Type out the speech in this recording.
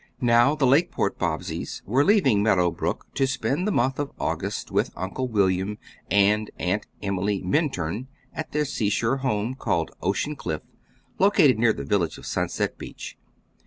Now the Lakeport Bobbseys were leaving Meadow Brook, to spend the month of August with Uncle William and Aunt Emily Minturn at their seashore home, called Ocean Cliff, located near the village of Sunset Beach.